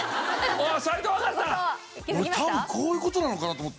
俺多分こういう事なのかなと思った。